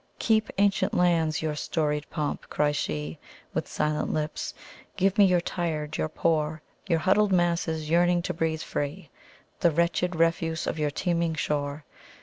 "Keep, ancient lands, your storied pomp!" cries sheWith silent lips. "Give me your tired, your poor, Your huddled masses yearning to breathe free, The wretched refuse of your teeming shore.